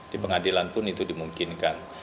di pengadilan pun itu dimungkinkan